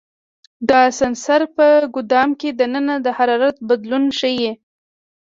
دا سنسر په ګدام کې دننه د حرارت بدلون ښيي.